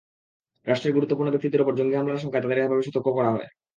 রাষ্ট্রের গুরুত্বপূর্ণ ব্যক্তিদের ওপর জঙ্গি হামলার আশঙ্কায় তাঁদের এভাবে সতর্ক করা হয়।